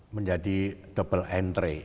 menjadi double entry